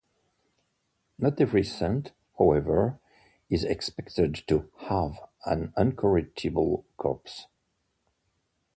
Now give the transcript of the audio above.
Not every saint, however, is expected to have an incorruptible corpse.